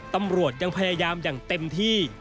ตำรวจยังพยายามอย่างเต็มที่